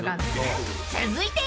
［続いて］